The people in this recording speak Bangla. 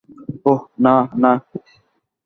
ওহ, না, না।